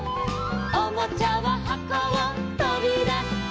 「おもちゃははこをとびだして」